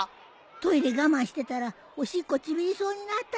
トイレ我慢してたらおしっこちびりそうになったじょ。